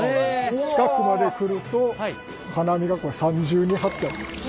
近くまで来ると金網がこれ３重に張ってあります。